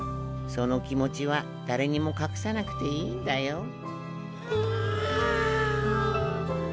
その気持ちは誰にも隠さなくていいんだよ。